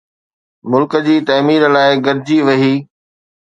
ملڪ جي تعمير لاءِ گڏجي ويھي.